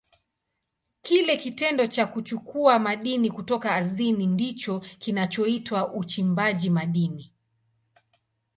Kile kitendo cha kuchukua madini kutoka ardhini ndicho kinachoitwa uchimbaji madini.